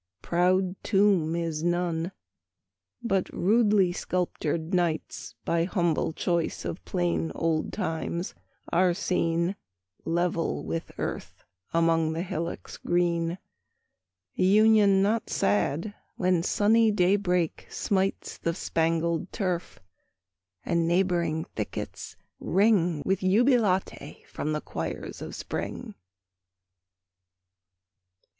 Proud tomb is none; but rudely sculptured knights, By humble choice of plain old times, are seen 10 Level with earth, among the hillocks green: Union not sad, when sunny daybreak smites The spangled turf, and neighbouring thickets ring With jubilate from the choirs of spring!